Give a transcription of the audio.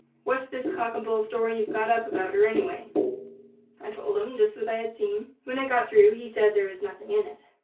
What's this cock and bull story you've got up about her, anyway?" I told him just what I had seen. When I got through he said there was "nothing in it."